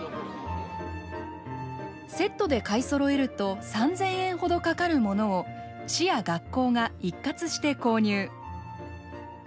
セットで買いそろえると３，０００円ほどかかるものを市や学校が一括して購入。